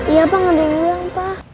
iya pak nggak ada yang bilang pak